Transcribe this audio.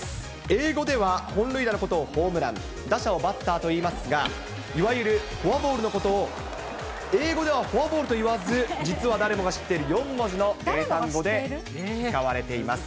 英語では、本塁打のことをホームラン、打者をバッターといいますが、いわゆるフォアボールのことを英語ではフォアボールと言わず、実は誰もが知っている４文字の英単語で使われています。